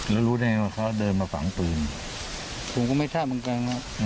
แล้วรู้ได้ไงว่าเขาเดินมาฝังปืนผมก็ไม่ทราบเหมือนกันว่า